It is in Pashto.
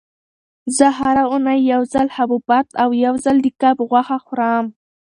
زه هره اونۍ یو ځل حبوبات او یو ځل د کب غوښه خورم.